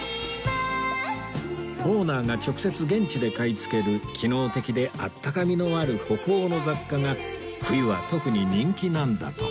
オーナーが直接現地で買いつける機能的であったかみのある北欧の雑貨が冬は特に人気なんだとか